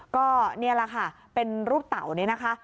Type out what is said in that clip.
ก็นี่แหละค่ะเป็นรูปเต่านี่นะคะ